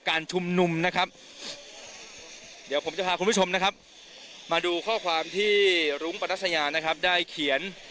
มันใช้ไม่ได้ไง